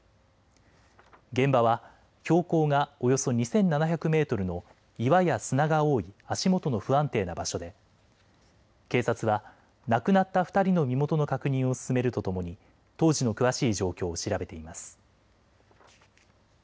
現場は標高がおよそ２７００メートルの岩や砂が多い足元の不安定な場所で警察は亡くなった２人の身元の確認を進めるとともに当時の詳しい状況を調べています。